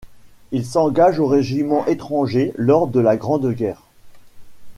Il s'engage au régiment étranger lors de la Grande Guerre.